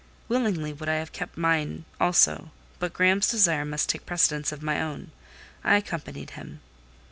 Willingly would I have kept mine also, but Graham's desire must take precedence of my own; I accompanied him.